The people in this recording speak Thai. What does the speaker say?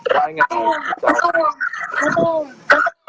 ได้ไงครับ